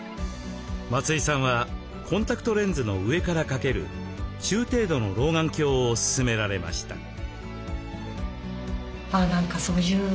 松井さんはコンタクトレンズの上から掛ける中程度の老眼鏡を勧められました。